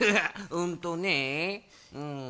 うんとねうん。